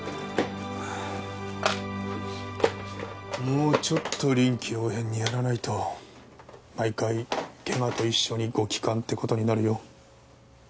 もうちょっと臨機応変にやらないと毎回怪我と一緒にご帰還って事になるよ。